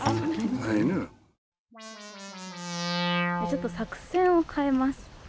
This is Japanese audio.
ちょっと作戦を変えます。